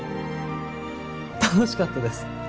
楽しかったです。